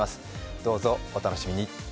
どうぞお楽しみに。